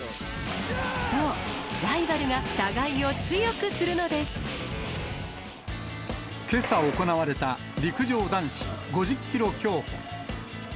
そう、けさ行われた、陸上男子５０キロ競歩。